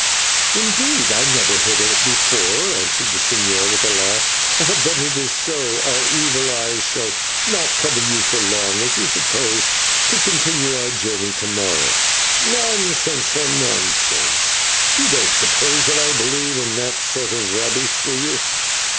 "Indeed, I never heard of it before," answered the señor with a laugh; "but if so, our evil eyes shall not trouble you for long, as we propose to continue our journey to morrow." "Nonsense, friend, nonsense, you don't suppose that I believe in that sort of rubbish, do you?